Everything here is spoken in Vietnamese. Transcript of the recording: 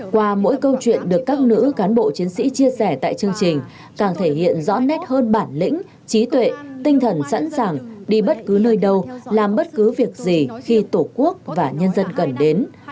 qua mỗi câu chuyện được các nữ cán bộ chiến sĩ chia sẻ tại chương trình càng thể hiện rõ nét hơn bản lĩnh trí tuệ tinh thần sẵn sàng đi bất cứ nơi đâu làm bất cứ việc gì khi tổ quốc và nhân dân cần đến